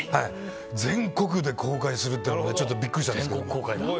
全国で公開するというのがちょっとビックリしたんですけど。